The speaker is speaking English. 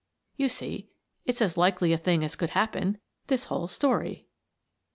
You see it's as likely a thing as could happen this whole story.